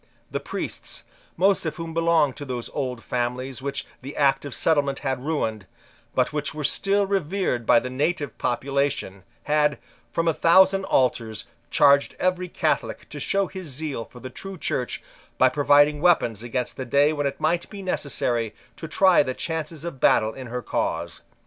The priests, most of whom belonged to those old families which the Act of Settlement had ruined, but which were still revered by the native population, had, from a thousand altars, charged every Catholic to show his zeal for the true Church by providing weapons against the day when it might be necessary to try the chances of battle in her cause.